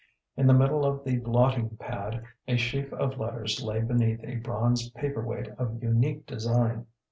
In the middle of the blotting pad a sheaf of letters lay beneath a bronze paperweight of unique design.